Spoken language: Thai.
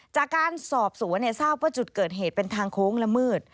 จากการสอบสวนทราบว่าจุดเกิดเหตุเป็นทางโค้งละมืด